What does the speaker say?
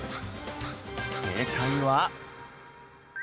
正解は